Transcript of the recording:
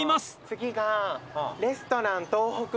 次が。